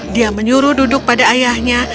dia menyuruh duduk pada ayahnya